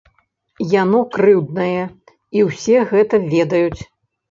Яно крыўднае, і ўсе гэта ведаюць.